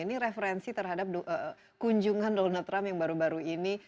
ini referensi terhadap kunjungan donald trump yang baru baru ini